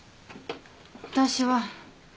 私は。